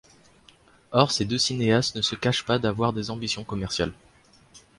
Or ces deux cinéastes ne se cachent pas d'avoir des ambitions commerciales.